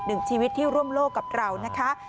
หนึ่งชีวิตที่ร่วมโลกกับเรานะคะ